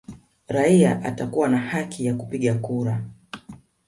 Raia atakuwa na haki ya kupiga kura